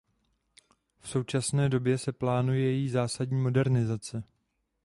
V současné době se plánuje její zásadní modernizace.